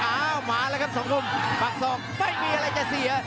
อ้าวหมาแล้วครับสองโคมปากสองไม่มีอะไรจะเสีย